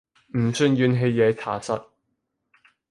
唔算怨氣嘢查實